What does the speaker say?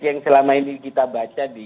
yang selama ini kita baca di